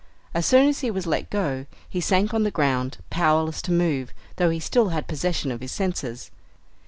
As soon as he was let go, he sank on the ground powerless to move, though he still had possession of his senses.